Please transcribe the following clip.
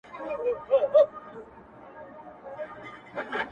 ویل بار د ژوندانه مي کړه ملا ماته-